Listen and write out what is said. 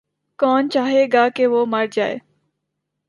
کون چاہے گا کہ وہ مر جاَئے۔